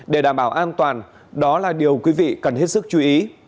để đảm bảo an toàn đó là điều quý vị cần hết sức chú ý